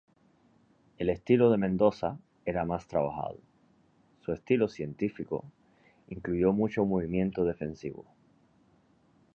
El estilo de Mendoza era más trabajado, su "estilo científico" incluyó mucho movimiento defensivo.